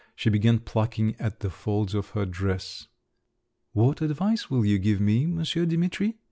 She began plucking at the folds of her dress. "What advice will you give me, Monsieur Dimitri?"